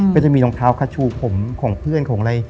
ก็จะมีรองเท้าคาชูผมของเพื่อนของอะไร